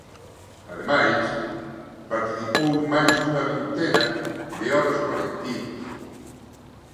Ademais, participou en máis dunha vintena de obras colectivas.